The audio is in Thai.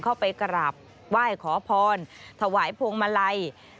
เข้าไปกราบไหว้ขอพรถวายพวงมาลัย